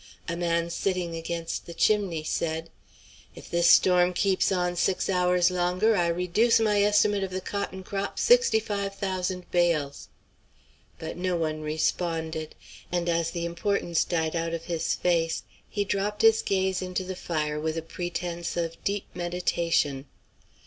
A man sitting against the chimney said: "If this storm keeps on six hours longer I reduce my estimate of the cotton crop sixty five thousand bales." But no one responded; and as the importance died out of his face he dropped his gaze into the fire with a pretence of deep meditation.